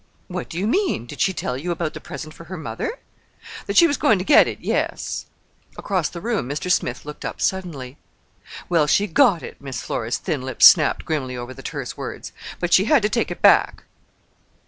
"What do you mean?" "Did she tell you about the present for her mother?" "That she was going to get it—yes." Across the room Mr. Smith looked up suddenly. "Well, she got it." Miss Flora's thin lips snapped grimly over the terse words. "But she had to take it back."